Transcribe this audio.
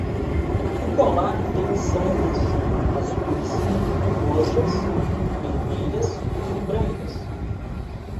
O colar tem miçangas azuis, roxas, vermelhas e brancas.